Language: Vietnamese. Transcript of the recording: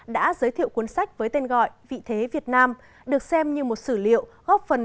đã giới thiệu cuốn sách với tên gọi vị thế việt nam được xem như một sử liệu góp phần